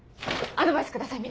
アドバイスください